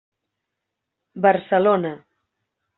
Barcelona.